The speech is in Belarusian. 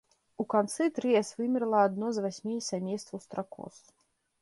У канцы трыяс вымерла адно з васьмі сямействаў стракоз.